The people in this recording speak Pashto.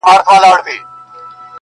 خر هغه ګړی روان سو په ځنګله کي!.